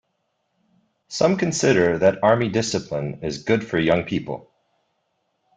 Some consider that army discipline is good for young people.